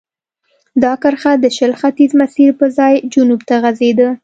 دا کرښه د شل ختیځ مسیر پر ځای جنوب ته غځېده.